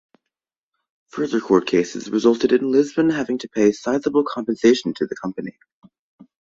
Further court cases resulted in Lisbon having to pay sizeable compensation to the company.